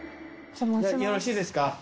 よろしいですか？